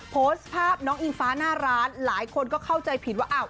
โพสต์ภาพน้องอิงฟ้าหน้าร้านหลายคนก็เข้าใจผิดว่าอ้าว